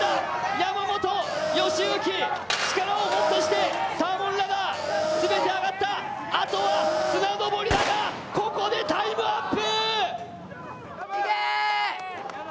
山本良幸、力をもってしてサーモンラダー、全上がった、あとは綱登りだがここでタイムアップ！